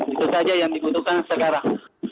itu saja yang dibutuhkan sekarang